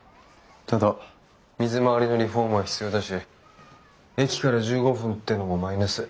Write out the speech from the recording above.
ただ水回りのリフォームは必要だし駅から１５分ってのもマイナス。